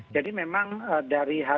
jadi memang dari hari ke hari